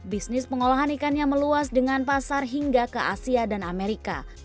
bisnis pengolahan ikannya meluas dengan pasar hingga ke asia dan amerika